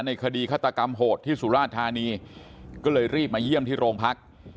คดีฆาตกรรมโหดที่สุราชธานีก็เลยรีบมาเยี่ยมที่โรงพัก